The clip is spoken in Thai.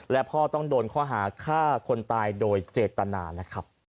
และพ่อต้องโดนข้อหาฆ่าคนตายโดยเจตนานะครับ